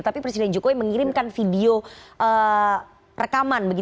tapi presiden jokowi mengirimkan video rekaman